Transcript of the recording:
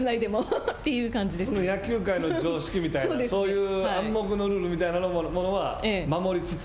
野球界の常識みたいなそういう暗黙のルールみたいなものは守りつつ。